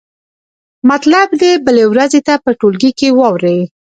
مطلب دې بلې ورځې ته په ټولګي کې واورئ.